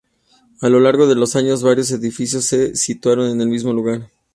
A lo largo de los años varios edificios se situaron en el mismo lugar.